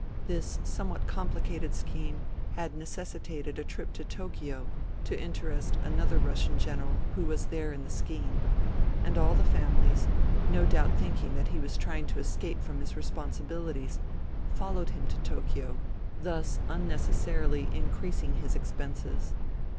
This somewhat complicated scheme had necessitated a trip to Tokio to interest another Russian general who was there in the scheme ; and all the families, no doubt thinking that he was trying to escape from his responsibilities, followed him to Tokio, thus unnecessarily increasing his expenses.